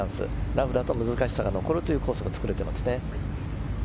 ラフだと難しさが残るというコースの作りですね。